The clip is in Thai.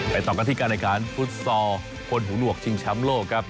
ไปต่อการณ์กาธิการระการฟุตซอยภลตูหนวกชิงช้ามโลกครับ